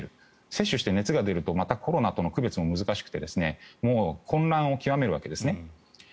接種して熱が出るとまたコロナとの区別も難しくて混乱を極めるわけですね。